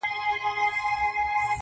سړي ښخ کئ سپي د کلي هدیره کي,